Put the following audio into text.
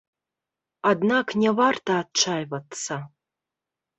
Аднак не варта адчайвацца.